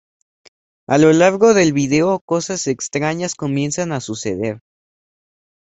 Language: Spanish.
A lo largo del video, cosas extrañas comienzan a suceder.